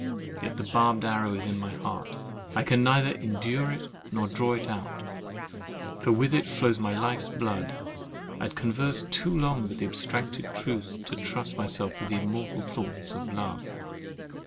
Yet the barbed arrow is in my heart—I can neither endure it, nor draw it out; for with it flows my life's blood. I had conversed too long with abstracted truth to trust myself with the immortal thoughts of love.